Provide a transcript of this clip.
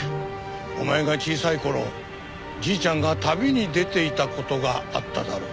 お前が小さい頃じいちゃんが旅に出ていた事があっただろう。